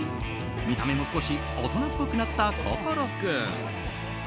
見た目も少し大人っぽくなった心君。